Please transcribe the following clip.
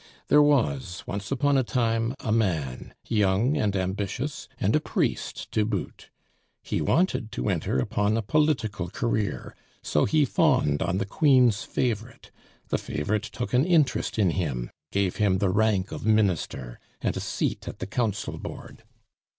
There was, once upon a time, a man, young and ambitious, and a priest to boot. He wanted to enter upon a political career, so he fawned on the Queen's favorite; the favorite took an interest in him, gave him the rank of minister, and a seat at the council board.